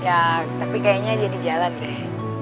ya tapi kayaknya dia di jalan deh